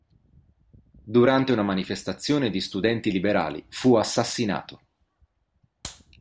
Durante una manifestazione di studenti liberali fu assassinato.